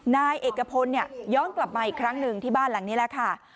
นายเอกพลย้อนกลับมาอีกครั้งหนึ่งที่บ้านหลังนี้แหละค่ะ